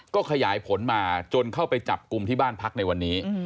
ก็ขยายผลมาจนเข้าไปจับกลุ่มที่บ้านพักในวันนี้